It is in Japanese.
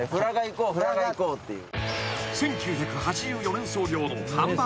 こうフラガ行こうっていう。